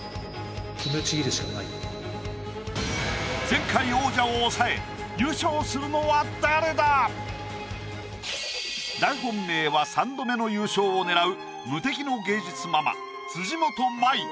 前回王者を抑え優勝するのは誰だ⁉大本命は三度目の優勝を狙う無敵の芸術ママ辻元舞。